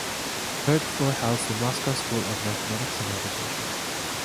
The third floor housed the Moscow School of Mathematics and Navigation.